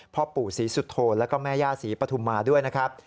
พ่อปู่ศรีสุโธแล้วก็แม่ย่าศรีปฐุมาด้วยนะครับ